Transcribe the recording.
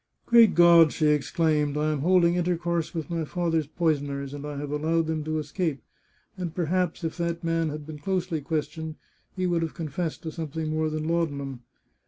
" Great God !" she exclaimed, " I am holding intercourse witH my father's poisoners, and I have allowed them to escape. And perhaps, if that man had been closely ques tioned, he would have confessed to something more than laudanum."